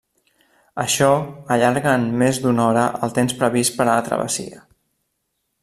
Això allarga en més d'una hora el temps previst per a la travessia.